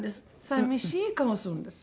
寂しい顔をするんです。